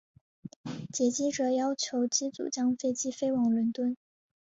劫机者要求机组将飞机飞往伦敦。